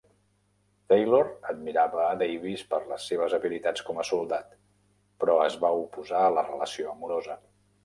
Taylor admirava a Davis per les seves habilitats com a soldat, però es va oposar a la relació amorosa.